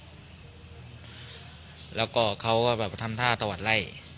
ใช่ยืนรอครับแล้วก็เขาก็แบบทำท่าตวัดไล่